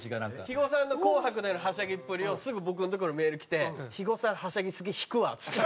肥後さんの『紅白』でのはしゃぎっぷりをすぐ僕のところにメールきて「肥後さんはしゃぎすぎ引くわ」っつって。